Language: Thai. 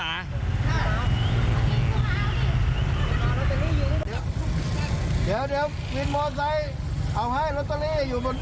เดี๋ยวเดี๋ยวพลิกมอไซด์เอาให้รอเตอรี่อยู่บน